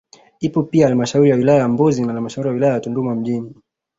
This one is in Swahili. Ipo pia halmashauri ya wilaya ya Mbozi na halmashauri ya Tunduma mjini